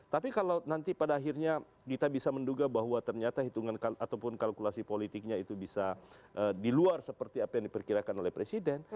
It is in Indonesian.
tapi kalau nanti pada akhirnya kita bisa menduga bahwa ternyata hitungan ataupun kalkulasi politiknya itu bisa diluar seperti apa yang diperkirakan oleh presiden